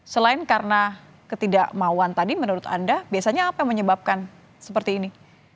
selain karena ketidakmauan tadi menurut anda biasanya apa yang menyebabkan seperti ini